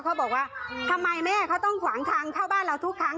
เขาบอกว่าทำไมแม่เขาต้องขวางทางเข้าบ้านเราทุกครั้ง